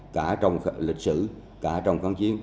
cả trong lịch sử cả trong kháng chiến